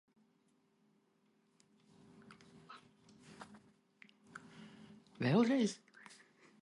O, tad jau viņiem tomēr jaunums.